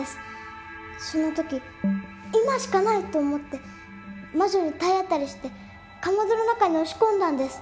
その時「今しかない！」と思って魔女に体当たりしてかまどの中に押し込んだんです。